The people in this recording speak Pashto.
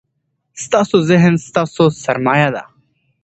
ستاسو ذهن ستاسو سرمایه ده.